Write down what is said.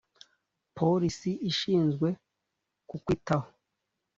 polisi ishinzwe kukwitaho.